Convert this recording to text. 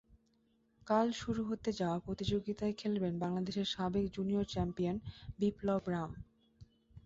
কাল শুরু হতে যাওয়া প্রতিযোগিতায় খেলবেন বাংলাদেশের সাবেক জুনিয়র চ্যাম্পিয়ন বিপ্লব রাম।